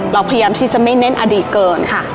เราพยายามที่จะไม่เน้นอดีตเกินค่ะ